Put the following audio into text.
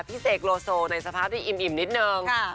เสกโลโซในสภาพที่อิ่มนิดนึง